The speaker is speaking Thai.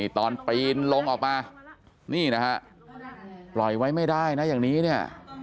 ตอนปีนลงออกมานี่นะฮะปล่อยไว้ไม่ได้นะอย่างนี้เนี่ย